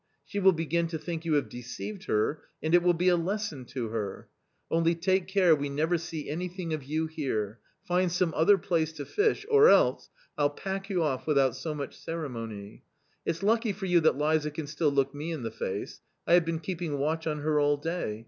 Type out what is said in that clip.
She will begin to think you have deceived her and it will be a lesson to her. Only take care we never see anything of you here ; find some other place to fish, or else — 111 pack you off without much ceremony. It's lucky for you that Liza can still look me in the face ; I have been keeping watch on her all day